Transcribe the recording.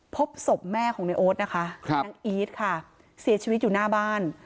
พบศพแม่ของในโอ๊ตนะคะนางอีทค่ะเสียชีวิตอยู่หน้าบ้าน